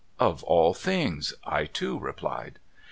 ' Of all things,' I too replied.